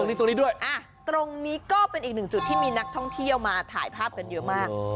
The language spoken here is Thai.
ตรงนี้ตรงนี้ด้วยตรงนี้ก็เป็นอีกหนึ่งจุดที่มีนักท่องเที่ยวมาถ่ายภาพกันเยอะมาก